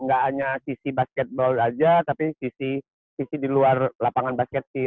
gak hanya sisi basketball aja tapi sisi di luar lapangan basket sih